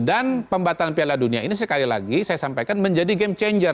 dan pembatalan piala dunia ini sekali lagi saya sampaikan menjadi game changer